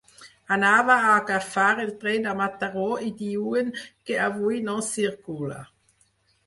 Anava a agafar el tren a Mataró i diuen que avui no circula.